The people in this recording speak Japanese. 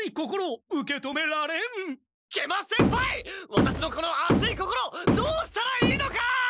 ワタシのこの熱い心どうしたらいいのか！